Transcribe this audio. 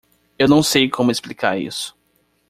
Eu não sei como explicar isso.